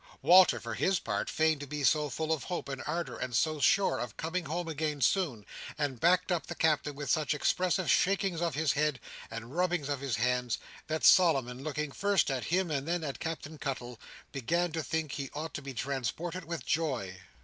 Walter, for his part, feigned to be so full of hope and ardour, and so sure of coming home again soon, and backed up the Captain with such expressive shakings of his head and rubbings of his hands, that Solomon, looking first at him then at Captain Cuttle, began to think he ought to be transported with joy.